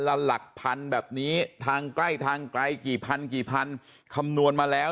หลักพันแบบนี้ทางใกล้ทางไกลกี่พันกี่พันคำนวณมาแล้ว